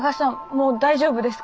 もう大丈夫ですから。